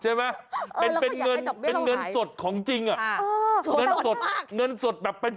ใช่ไหมเป็นเงินสดของจริงอะเงินสดแบบเป็น